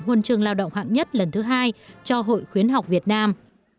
nguồn trường lao động hạng nhất lần thứ hai cho hội khuyến học việt nam